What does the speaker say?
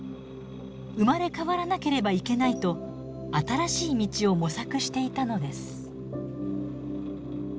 生まれ変わらなければいけないと新しい道を模索していたのです。